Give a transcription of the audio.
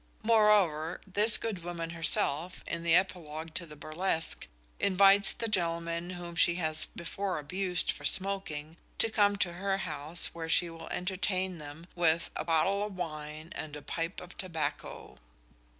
Moreover, this good woman herself, in the epilogue to the burlesque, invites the gentlemen whom she has before abused for smoking, to come to her house where she will entertain them with "a pottle of wine, and a pipe of tobacco."